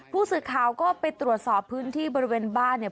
ผู้สื่อข่าวก็ไปตรวจสอบพื้นที่บริเวณบ้านเนี่ย